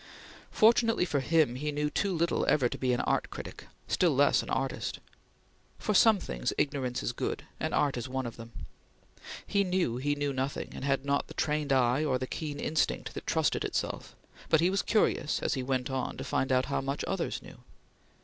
Fortunately for him he knew too little ever to be an art critic, still less an artist. For some things ignorance is good, and art is one of them. He knew he knew nothing, and had not the trained eye or the keen instinct that trusted itself; but he was curious, as he went on, to find out how much others knew.